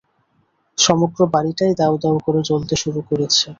সমগ্র বাড়িটাই দাউদাউ করে জ্বলতে শুরু করেছে।